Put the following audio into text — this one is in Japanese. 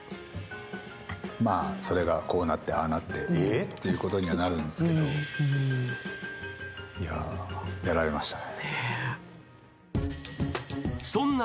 まあ、それがこうなって、ああなって、えー？！ということになるんですけど、いや、やられましたね。